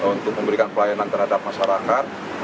untuk memberikan pelayanan terhadap masyarakat